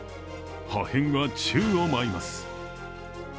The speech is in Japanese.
破片は宙を舞います。